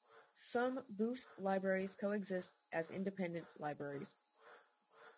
Some Boost libraries coexist as independent libraries.